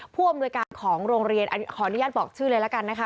ผู้อำนวยการของโรงเรียนขออนุญาตบอกชื่อเลยละกันนะคะ